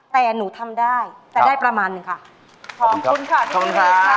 แต่หนูทำได้แต่ได้ประมาณหนึ่งค่ะขอบคุณค่ะทุกคนค่ะ